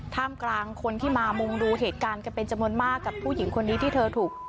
ท่ามกลางคนที่มามุงดูเหตุการณ์กันเป็นจำนวนมากกับผู้หญิงคนนี้ที่เธอถูก